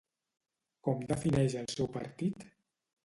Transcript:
Com defineix el seu partit?